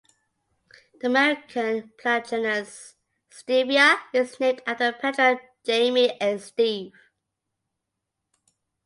The American plant genus "Stevia" is named after Pedro Jaime Esteve.